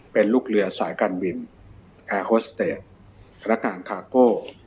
เป็นลูกเรือสายการบินแอร์โฮสเตจพนักงานคาโก้